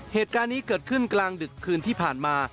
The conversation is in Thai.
เหตุการณ์นี้เกิดขึ้นกลางดึกคืนที่ผ่านมา